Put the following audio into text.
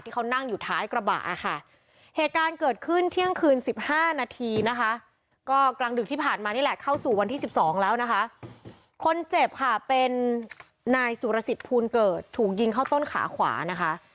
คนเจ็บค่ะเป็นนายสุรสิทธิ์ภูมิเกิดถูกยิงเข้าต้นขาขวานะคะ